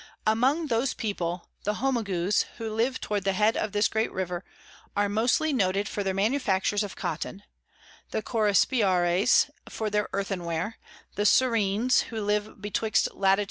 Among those People, the Homagues who live towards the Head of this great River, are mostly noted for their Manufactures of Cotton; the Corosipares for their Earthen Ware; the Surines who live betwixt Lat.